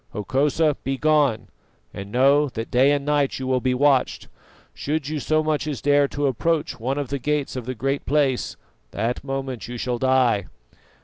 Hokosa, begone, and know that day and night you will be watched. Should you so much as dare to approach one of the gates of the Great Place, that moment you shall die."